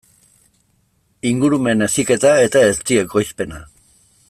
Ingurumen heziketa eta ezti ekoizpena.